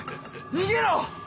逃げろ！